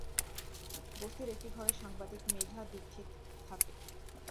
বস্তির একটি ঘরে সাংবাদিক মেঘা দীক্ষিত থাকে।